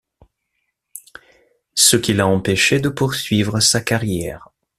Ce qui l'a empêché de poursuivre sa carrière.